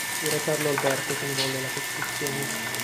Fu re Carlo Alberto che ne volle la costruzione.